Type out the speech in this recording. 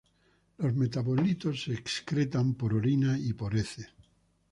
Los metabolitos se excretan por orina y por heces.